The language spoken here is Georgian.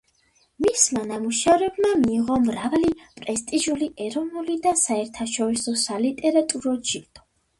მისმა ნამუშევრებმა მიიღო მრავალი პრესტიჟული ეროვნული და საერთაშორისო სალიტერატურო ჯილდო.